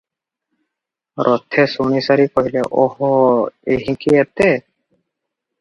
ରଥେ ଶୁଣିସାରି କହିଲେ, "ଓଃ ଏହିଁକି ଏତେ?